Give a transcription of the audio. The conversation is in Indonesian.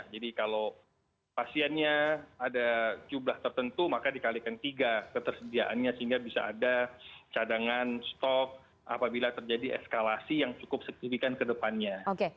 jadi kalau pasiennya ada jumlah tertentu maka dikalikan tiga ketersediaannya sehingga bisa ada cadangan stok apabila terjadi eskalasi yang cukup signifikan ke depannya